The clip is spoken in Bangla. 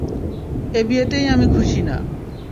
এই বিয়েতেই আমি খুশি না।